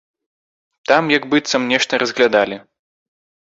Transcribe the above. Там як быццам нешта разглядалі.